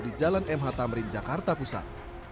di jalan mh tamrin jakarta pusat